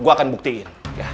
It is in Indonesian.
gue akan buktiin